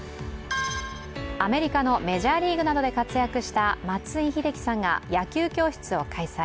アメリカのメジャーリーグなどで活躍した松井秀喜さんが、野球教室を開催。